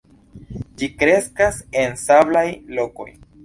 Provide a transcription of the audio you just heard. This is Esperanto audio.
Ĝi kreskas en sablaj lokoj.